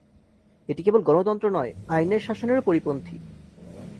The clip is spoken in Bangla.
এটি কেবল গণতন্ত্র নয়, আইনের শাসনেরও পরিপন্থী।